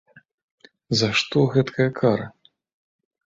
За што гэткая кара?